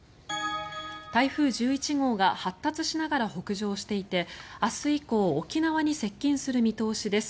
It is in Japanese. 台風１１号が発達しながら北上していて明日以降沖縄に接近する見通しです。